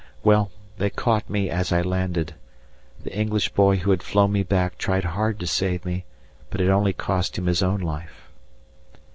Well, they caught me as I landed; the English boy who had flown me back tried hard to save me, but it only cost him his own life.